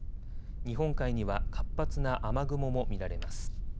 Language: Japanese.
日本海には活発な雨雲も見られます。